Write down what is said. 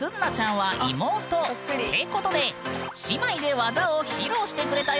ていうことで姉妹で技を披露してくれたよ！